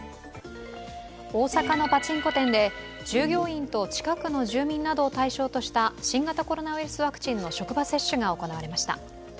大阪のパチンコ店で従業員と近くの住民などを対象とした新型コロナウイルスワクチンの職場接種が行われました。